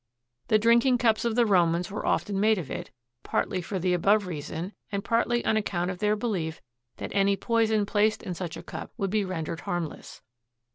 The drinking cups of the Romans were often made of it, partly for the above reason and partly on account of their belief that any poison placed in such a cup would be rendered harmless.